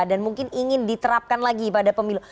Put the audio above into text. dan mungkin ingin diterapkan lagi pada pemilu